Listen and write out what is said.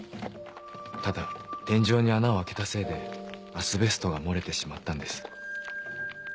ただ天井に穴を開けたせいでアスベストが漏れてしまったんです。